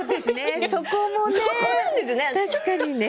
そこもね、確かにね。